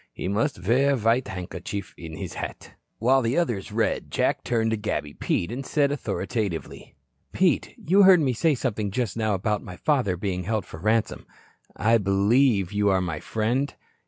He must wear a white handkerchief in his hat." While the others read, Jack turned to Gabby Pete and said authoritatively: "Pete, you heard me say something just now about my father being held for ransom. I believe you are my friend."